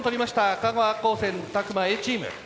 香川高専詫間Ａチーム。